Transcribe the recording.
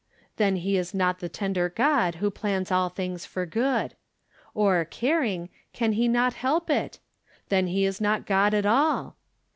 Then he is not the tender God who plans all things for good. Or, caring, can not he help it? Then he is not God at all.